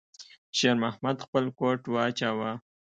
شېرمحمد خپل کوټ واچاوه.